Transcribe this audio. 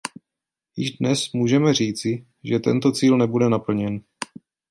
Již dnes můžeme říci, že tento cíl nebude naplněn.